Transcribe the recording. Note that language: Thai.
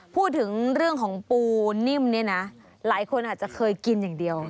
พูดถึงเรื่องของปูนิ่มเนี่ยนะหลายคนอาจจะเคยกินอย่างเดียว